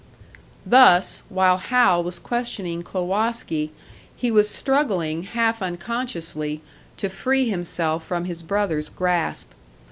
Thus while Hal was questioning Klowoski, he was struggling half unconsciously, to free himself from his brother's grasp.